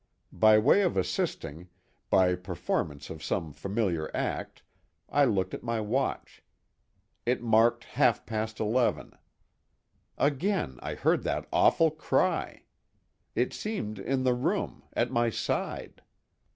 By way of assisting, by performance of some familiar act, I looked at my watch; it marked half past eleven. Again I heard that awful cry! It seemed in the room—at my side.